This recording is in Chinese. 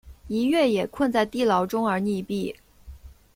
逸悦也困在地牢中而溺毙。